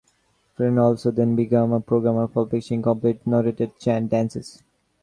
Feuillet also then began a programme of publishing complete notated dances.